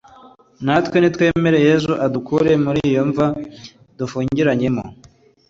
natwe nitwemere yezu adukure muri izo mva dufungiranyemo